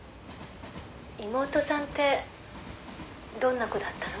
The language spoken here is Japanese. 「妹さんってどんな子だったの？」